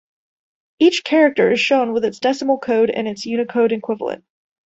Each character is shown with its decimal code and its Unicode equivalent.